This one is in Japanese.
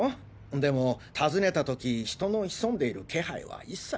でも訪ねた時人の潜んでいる気配は一切。